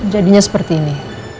jadinya seperti ini